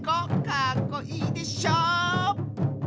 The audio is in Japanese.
かっこいいでしょ！